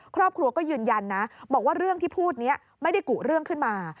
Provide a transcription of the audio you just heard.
ครอบครัวก็ยืนยันนะบอกว่าเรื่องที่พูดนี้ไม่ได้กุเรื่องขึ้นมา